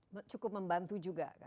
ini kan pasti ada cukup membantu juga